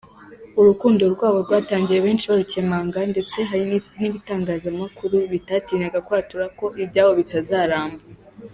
Urukundo rwabo rwatangiye benshi barukemanga ndetse hari n’ibitangazamakuru bitatinyaga kwatura ko â€?ibyabo bitazaramba’.